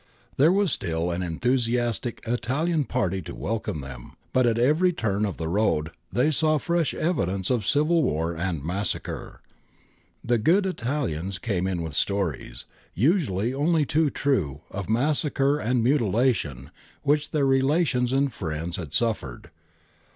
There was still an enthusiastic * Italian ' party to welcome them, but at every turn of the road they saw fresh evidence of civil war and massacre. The 'good Italians' came in with stories, usually only too true, of massacre and mutilation which their relations and friends had suffered.